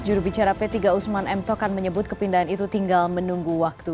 jurubicara p tiga usman m tokan menyebut kepindahan itu tinggal menunggu waktu